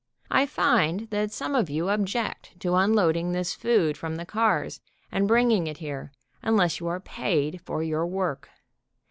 I find that some of you obj'ect to unloading this food from the cars and bring ing it here, unless you are paid for your work.